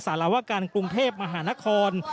สารวการกรุงเทพมหานคร